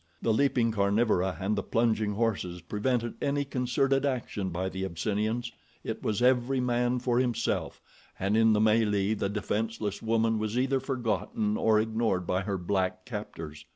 The leaping carnivora and the plunging horses, prevented any concerted action by the Abyssinians—it was every man for himself—and in the melee, the defenseless woman was either forgotten or ignored by her black captors.